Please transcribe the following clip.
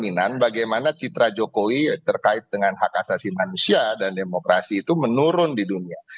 nah ini saya rasa adalah cerminan bagaimana citra jokowi terkait dengan hak asasi manusia dan demokrasi itu menurun di dunia